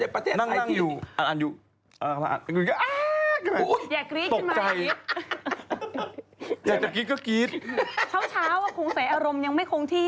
ป๊อกหมายถึงขึ้นลงยังไง